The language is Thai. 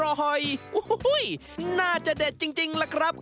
โอ้โหน่าจะเด็ดจริงล่ะครับ